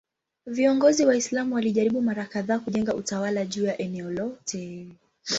Viongozi Waislamu walijaribu mara kadhaa kujenga utawala juu ya eneo lote.